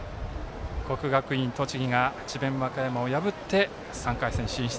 ５対３国学院栃木が智弁和歌山を破って３回戦進出。